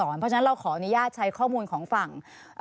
เพราะฉะนั้นเราขออนุญาตใช้ข้อมูลของฝั่ง